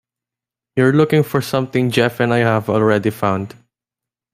You're looking for something Jeff and I have already found.